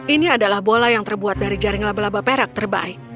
ini adalah bola yang terbuat dari jaring laba laba perak terbaik